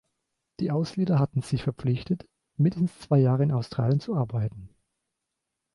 Die Aussiedler hatten sich verpflichtet, mindestens zwei Jahre in Australien zu arbeiten.